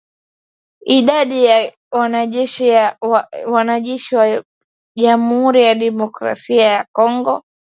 Idadi ya wanajeshi wa jamhuri ya kidemokrasia ya Kongo